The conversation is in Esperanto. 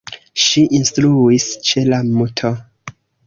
Ŝi instruis ĉe la "Mt.